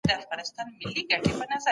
موږ خپلو اهدافو ته په نظم رسېږو.